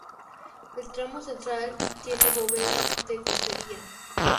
El tramo central tiene bóveda de crucería.